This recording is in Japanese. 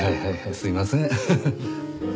すいません。